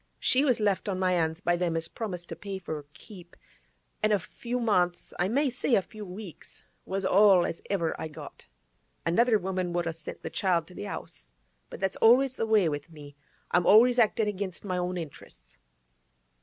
She was left on my 'ands by them as promised to pay for her keep; an' a few months, I may say a few weeks, was all as ever I got. Another woman would a sent the child to the 'Ouse; but that's always the way with me; I'm always actin' against my own interesses.